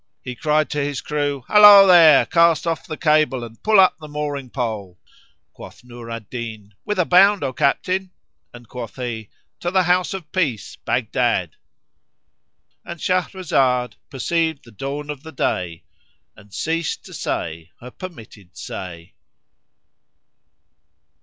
he cried to his crew, "Hallo there! cast off the cable and pull up the mooring pole!"[FN#40] Quoth Nur al Din, "Whither bound, O captain?" and quoth he, "To the House of Peace, Baghdad,"— And Shahrazad perceived the dawn of day and ceased to say her permitted say.